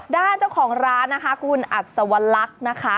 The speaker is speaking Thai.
ด้านเจ้าของร้านนะคะคุณอัศวลักษณ์นะคะ